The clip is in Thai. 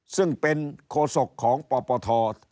ซึ่งเป็นโคศกของปปท